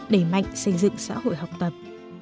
để mạnh xây dựng xã hội học tập